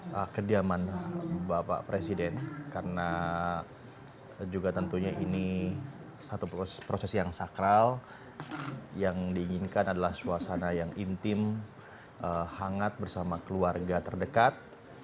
dan kediaman bapak presiden karena juga tentunya ini satu proses yang sakral yang diinginkan adalah suasana yang intim hangat bersama keluarga terdekat